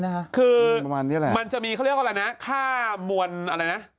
คือประมาณนี้แหละมันจะมีเขาเรียกว่าอะไรนะค่ามวลอะไรนะ